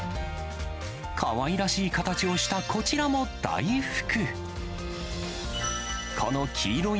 かわいらしい形をしたこちらも大福。